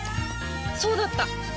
そうだった！